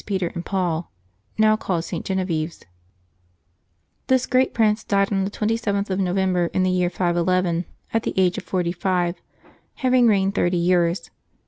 Peter and Paul, now called St. Genevieve's. This great prince died on the 27th of No vember, in the year 511, at the age of forty five, having reigned thirty years.